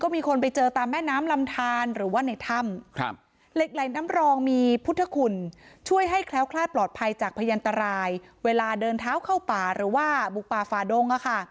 มีพุทธคุณช่วยให้แคล้วคราศปลอดภัยจากพยันตรายเวลาเดินเท้าเข้าป่า่หรือว่าบุปฟาฟาดง